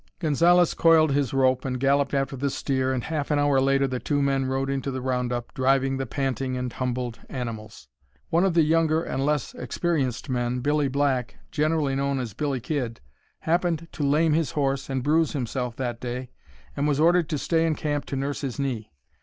Gonzalez coiled his rope and galloped after the steer and half an hour later the two men rode into the round up, driving the panting and humbled animals. One of the younger and less experienced men, Billy Black, generally known as "Billy Kid," happened to lame his horse and bruise himself that day, and was ordered to stay in camp to nurse his knee.